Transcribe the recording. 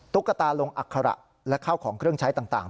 ตุ๊กตาลงอัคระและข้าวของเครื่องใช้ต่าง